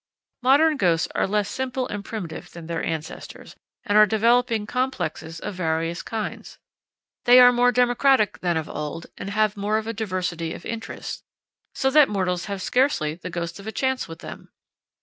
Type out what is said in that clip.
Modern ghosts are less simple and primitive than their ancestors, and are developing complexes of various kinds. They are more democratic than of old, and have more of a diversity of interests, so that mortals have scarcely the ghost of a chance with them.